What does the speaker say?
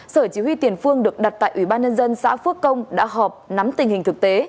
sở chỉ huy tiền phương được đặt tại ủy ban nhân dân xã phước công đã họp nắm tình hình thực tế